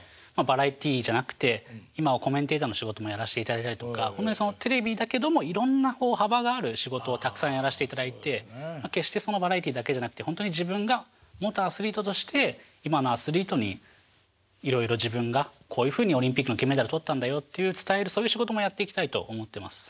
バラエティーじゃなくて今はコメンテーターの仕事もやらせていただいたりとかテレビだけどもいろんな幅がある仕事をたくさんやらせていただいて決してバラエティーだけじゃなくてほんとに自分が元アスリートとして今のアスリートにいろいろ自分がこういうふうにオリンピックの金メダル取ったんだよっていう伝えるそういう仕事もやっていきたいと思ってます。